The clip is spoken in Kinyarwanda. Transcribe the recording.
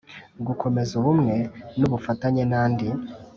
Gukomeza ubumwe n ubufatanye nandi